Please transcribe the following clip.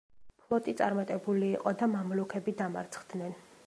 ფლოტი წარმატებული იყო და მამლუქები დამარცხდნენ.